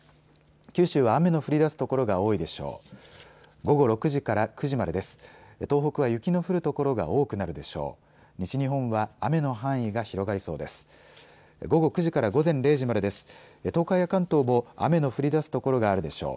九州は雨の降りだす所が多いでしょう。